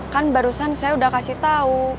kan barusan saya udah kasih tau